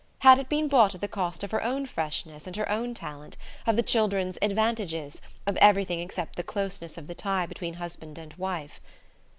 Had it been bought at the cost of her own freshness and her own talent, of the children's "advantages," of everything except the closeness of the tie between husband and wife?